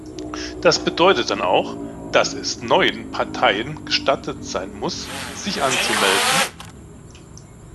Das bedeutet dann auch, dass es neuen Parteien gestattet sein muss, sich anzumelden.